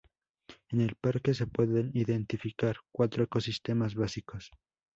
En el parque se pueden identificar cuatro ecosistemas básicos.